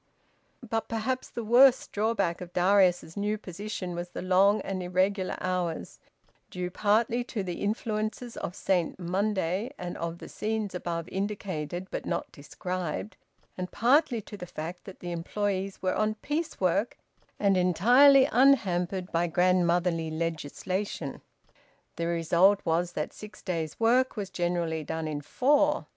But perhaps the worst drawback of Darius's new position was the long and irregular hours, due partly to the influences of Saint Monday and of the scenes above indicated but not described, and partly to the fact that the employes were on piece work and entirely unhampered by grandmotherly legislation. The result was that six days' work was generally done in four.